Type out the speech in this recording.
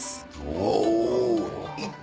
お！